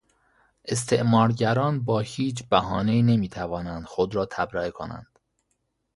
استعمار گران با هیچ بهانهای نمیتوانند خود را تبرئه کنند.